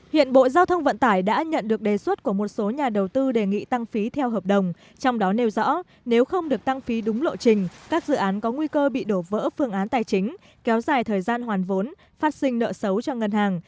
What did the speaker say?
hiện bộ giao thông vận tải đã nhận được đề xuất của một số nhà đầu tư đề nghị tăng phí theo hợp đồng trong đó nêu rõ nếu không được tăng phí đúng lộ trình các dự án có nguy cơ bị đổ vỡ phương án tài chính kéo dài thời gian hoàn vốn phát sinh nợ xấu cho ngân hàng